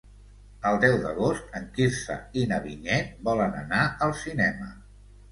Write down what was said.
El deu d'agost en Quirze i na Vinyet volen anar al cinema.